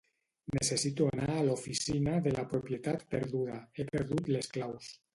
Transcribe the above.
Necessito anar a l'oficina de la propietat perduda. He perdut les claus.